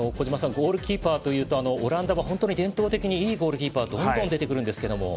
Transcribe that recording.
ゴールキーパーというとオランダは伝統的にいいゴールキーパーがどんどん出てきますが。